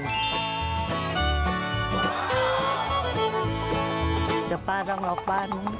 เดี๋ยวป้าต้องล็อกบ้าน